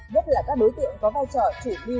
nhất là các đối tượng có vai trò chủ mưu